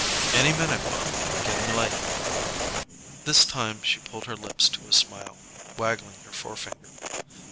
"Any minute, ma. Getting late." This time she pulled her lips to a smile, waggling her forefinger.